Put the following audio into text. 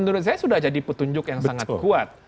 menurut saya sudah jadi petunjuk yang sangat kuat